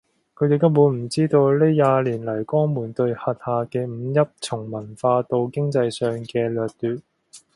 佢哋根本唔知道呢廿年嚟江門對轄下嘅五邑從文化到經濟上嘅掠奪